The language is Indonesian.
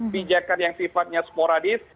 bijakan yang sifatnya sporadis